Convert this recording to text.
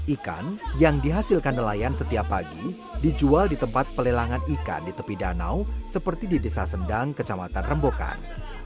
ikan yang dihasilkan nelayan setiap pagi dijual di tempat pelelangan ikan di tepi danau seperti di desa sendang kecamatan rembokan